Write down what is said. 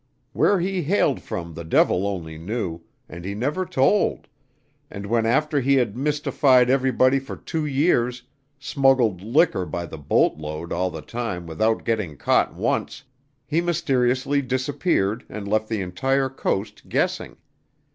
Where he hailed from the devil only knew, and he never told, and when after he had mystified everybody for two years, smuggled liquor by the boatload all the time without getting caught once, he mysteriously disappeared, and left the entire coast guessing.